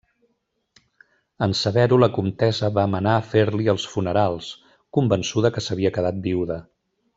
En saber-ho, la Comtessa va manar fer-li els funerals, convençuda que s'havia quedat viuda.